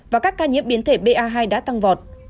và các ca nhiễm biến thể ba hai đã tăng vọt